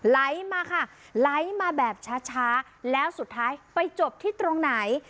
ไหลมาค่ะไหลมาแบบช้าแล้วสุดท้ายไปจบที่ตรงไหน